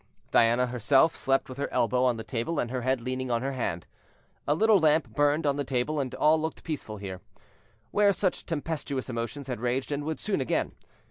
Diana herself slept with her elbow on the table and her head leaning on her hand. A little lamp burned on the table, and all looked peaceful here, where such tempestuous emotions had raged and would soon again.